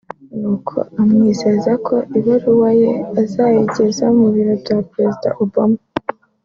nuko amwizeza ko ibaruwa ye azayigeza mu biro bya Perezida Obama